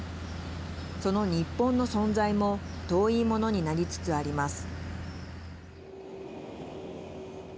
その日本の存在も遠いものになりつつあります。